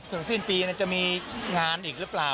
ถึงสิ้นปีน่าจะมีงานอีกหรือเปล่า